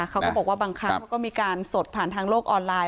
เขาก็บอกว่าบางครั้งเขาก็มีการสดผ่านทางโลกออนไลน